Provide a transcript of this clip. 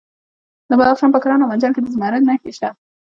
د بدخشان په کران او منجان کې د زمرد نښې شته.